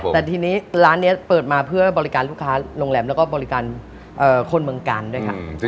แต่ทีนี้ร้านนี้เปิดมาเพื่อบริการลูกค้าโรงแรมแล้วก็บริการคนเมืองกาลด้วยค่ะ